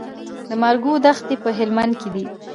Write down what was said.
د مارګو دښتې په هلمند کې دي